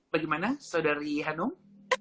bagaimana saudari hanung